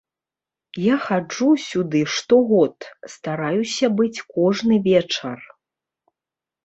Я хаджу сюды штогод, стараюся быць кожны вечар.